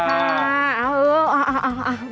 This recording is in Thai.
ค่ะเออเอาเอาเอา